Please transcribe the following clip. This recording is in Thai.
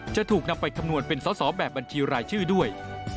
จะถูกนำไปคำนวณเป็นสอสอแบบบัญชีรายชื่อด้วย